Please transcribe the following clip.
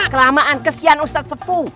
kelamaan kesian ustadz sepuh